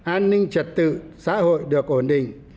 an ninh trật tự xã hội được ổn định